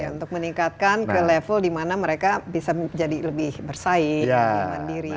untuk meningkatkan ke level dimana mereka bisa jadi lebih bersaing lebih mandiri